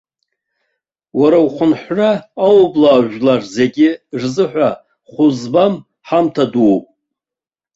Уара ухынҳәра аублаа жәлар зегьы рзыҳәа хәы змам ҳамҭа дууп.